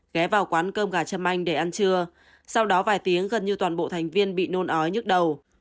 ghé vào quán cơm gà châm anh để ăn trưa sau đó vài tiếng gần như toàn bộ thành viên bị nôn ói nhức đầu